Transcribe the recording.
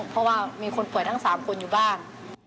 เพราะว่ามีคนป่วยทั้ง๓คนอยู่บ้าน